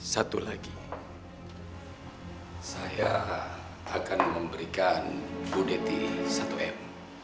satu lagi saya akan memberikan bu deti satu m